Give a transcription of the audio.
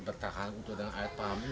bertahan untuk air paham